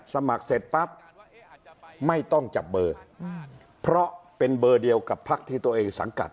สมัครเสร็จปั๊บไม่ต้องจับเบอร์เพราะเป็นเบอร์เดียวกับพักที่ตัวเองสังกัด